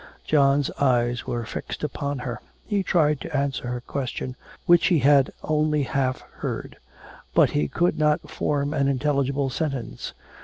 John's eyes were fixed upon her. He tried to answer her question, which he had only half heard. But he could not form an intelligible sentence.